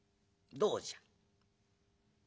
どうじゃ」。